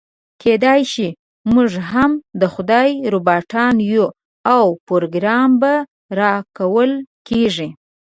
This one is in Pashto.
کيداشي موږ هم د خدای روباټان يو او پروګرام به راکول کېږي.